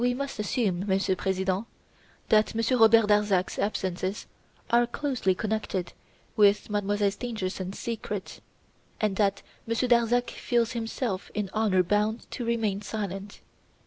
"We must assume, Monsieur President, that Monsieur Robert Darzac's absences are closely connected with Mademoiselle Stangerson's secret, and that Monsieur Darzac feels himself in honour bound to remain silent.